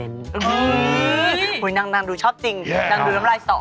นางดูชอบจริงนางดูน้ำลายสอ